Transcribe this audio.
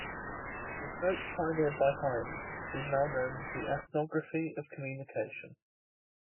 The approach pioneered by Hymes is now known as the ethnography of communication.